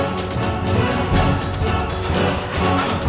masih masih kuat